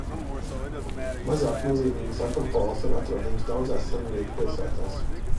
Mazāk nozīmīgas akropoles ir atrodamas daudzās sengrieķu pilsētās.